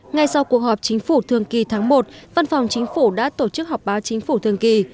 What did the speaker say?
ngay sau cuộc họp chính phủ thường kỳ tháng một văn phòng chính phủ đã tổ chức họp báo chính phủ thường kỳ